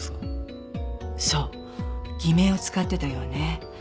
そう偽名を使ってたようね。